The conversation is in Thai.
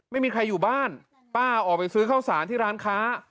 ไม่มีใครอยู่บ้านป้าออกไปซื้อข้าวสารที่ร้านค้า